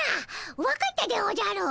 分かったでおじゃる。